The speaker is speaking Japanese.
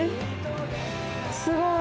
すごい！